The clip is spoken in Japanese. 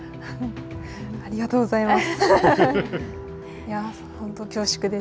ありがとうございます。